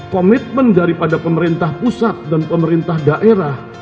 komitmen daripada pemerintah pusat dan pemerintah daerah